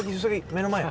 目の前！